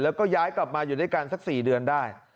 แล้วก็ย้ายกลับมาอยู่ด้วยกันสัก๔เดือนได้